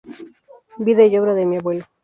Vida y obra de mi Abuelo.